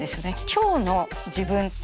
今日の自分。